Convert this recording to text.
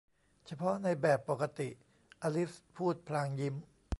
เฉพาะในแบบปกติ อลิสพูดพลางยิ้ม